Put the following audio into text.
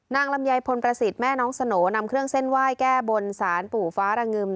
ลำไยพลประสิทธิ์แม่น้องสโหน่นำเครื่องเส้นไหว้แก้บนสารปู่ฟ้าระงึม